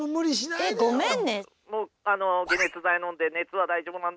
えごめんね。